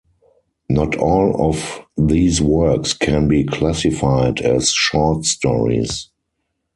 Not all of these works can be classified as short stories.